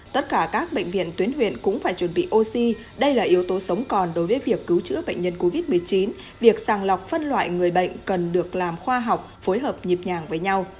tất cả các bệnh viện tuyến huyện cũng phải chuẩn bị oxy đây là yếu tố sống còn đối với việc cứu chữa bệnh nhân covid một mươi chín việc sàng lọc phân loại người bệnh cần được làm khoa học phối hợp nhịp nhàng với nhau